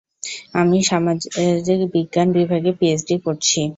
আমি সমাজিকবিজ্ঞান বিভাগে পিএইচডি করছি।